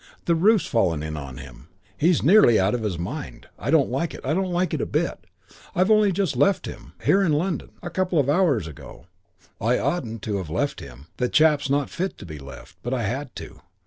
The roof's fallen in on him. He's nearly out of his mind. I don't like it. I don't like it a bit. I've only just left him. Here, in London. A couple of hours ago. I oughtn't to have left him. The chap's not fit to be left. But I had to.